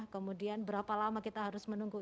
kemudian berapa lama kita harus menunggu